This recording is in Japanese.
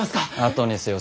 後にせよ。